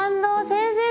先生